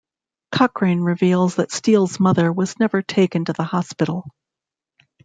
Cochrane reveals that Steele's mother was never taken to the hospital.